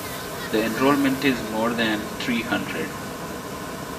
The enrollment is more than three hundred.